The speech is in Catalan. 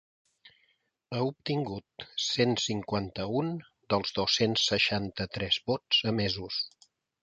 Ha obtingut cent cinquanta-un dels dos-cents seixanta-tres vots emesos.